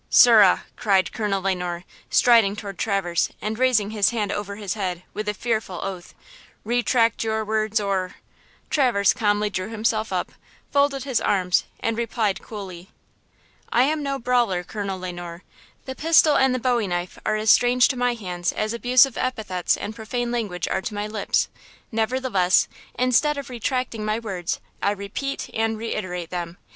"Sirrah!" cried Le Noir, striding toward Traverse and raising his hand over his head, with a fearful oath, "retract your words or–" Traverse calmly drew himself up, folded his arms and replied coolly: "I am no brawler, Colonel Le Noir; the pistol and the bowie knife are as strange to my hands as abusive epithets and profane language are to my lips; nevertheless, instead of retracting my words, I repeat and reiterate them.